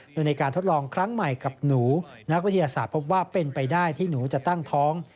โดยในการทดลองครั้งใหม่กับหนูนักวิทยาศาสตร์พบว่าเป็นไปได้ที่หนูจะตั้งท้อง